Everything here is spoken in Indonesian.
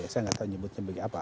saya nggak tahu nyebutnya bagaimana